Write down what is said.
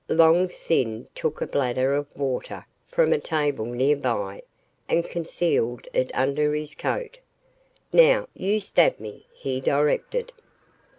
Long Sin took a bladder of water from a table nearby and concealed it under his coat. "Now, you stab me," he directed.